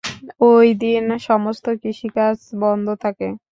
ঐদিন সমস্ত কৃষিকাজ বন্ধ থাকে।